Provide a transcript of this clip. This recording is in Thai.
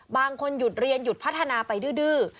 บางคนหยุดเรียนหยุดพัฒนาไปดื้อ